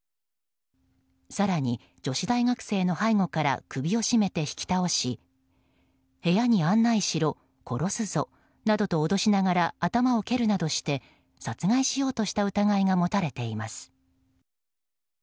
更に、女子大学生の背後から首を絞めて引き倒し部屋に案内しろ殺すぞなどと脅しながら頭を蹴るなどして殺害しようとした疑いが持たれています。